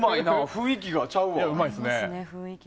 雰囲気がちゃうわ。